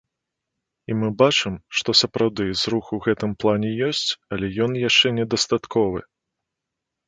І мы бачым, што сапраўды зрух у гэтым плане ёсць, але ён яшчэ недастатковы.